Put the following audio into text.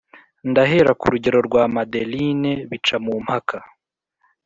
ndahera ku rugero rwa madeleine bicamumpaka